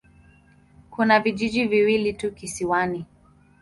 Kuna vijiji viwili tu kisiwani.